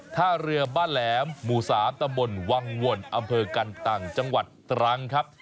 ท่าเรือบ้านแหลมหมู่๓ตำบลวังวลอำเภอกันตังจังหวัดตรังครับ